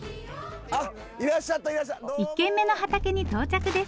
１軒目の畑に到着です。